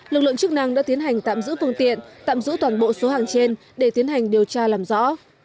lực lượng chức năng đã tiến hành tạm giữ phương tiện tạm giữ toàn bộ số hàng trên để tiến hành điều tra làm rõ